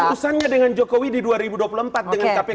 urusannya dengan jokowi di dua ribu dua puluh empat dengan kpk